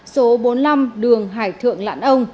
số bốn mươi năm đường hải thượng lạn ông